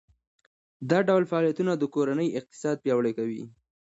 دا ډول فعالیتونه د کورنۍ اقتصاد پیاوړی کوي.